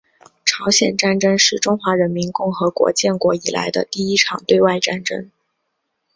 朝鲜战争是中华人民共和国建国以来的第一场对外战争。